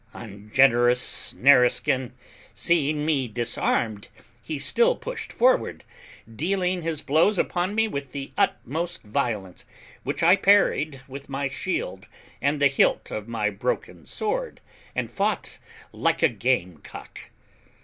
Ungenerous Nareskin; seeing me disarmed, he still pushed forward, dealing his blows upon me with the utmost violence, which I parried with my shield and the hilt of my broken sword, and fought like a game cock.